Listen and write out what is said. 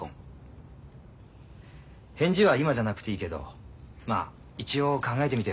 返事は今じゃなくていいけどまあ一応考えてみてよ。